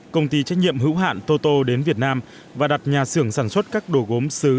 công ty trách nhiệm hữu hạn toto đến việt nam và đặt nhà xưởng sản xuất các đồ gốm xứ